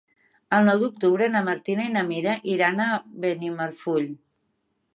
El nou d'octubre na Martina i na Mira iran a Benimarfull.